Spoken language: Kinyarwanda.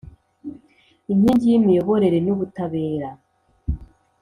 Inkingi y imiyoborere n ubutabera